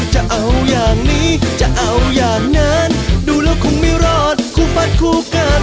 จะเอาอย่างนี้จะเอาอย่างนั้นดูแล้วคงไม่รอดคู่มัดคู่กัน